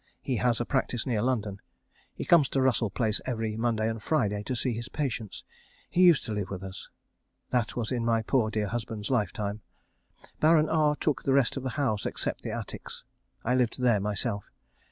He has a practice near London. He comes to Russell Place every Monday and Friday to see his patients. He used to live with us. That was in my poor dear husband's lifetime. Baron R took the rest of the house except the attics. I lived there myself.